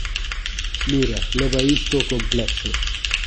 Mira, leva isto ao complexo.